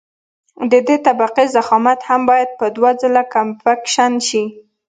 د دې طبقې ضخامت هم باید په دوه ځله کمپکشن شي